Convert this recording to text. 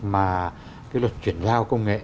mà cái luật chuyển giao công nghệ